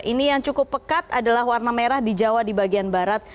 ini yang cukup pekat adalah warna merah di jawa di bagian barat